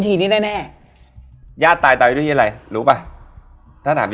อเจมส์ครับบ๊วยบ๊วยบ๊วยบ๊วยบ๊วยบ๊วยบ๊วยพูดก่อนหมดเลยหรอ